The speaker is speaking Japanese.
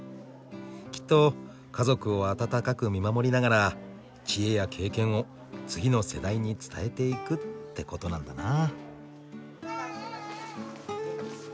きっと家族を温かく見守りながら知恵や経験を次の世代に伝えていくってことなんだな。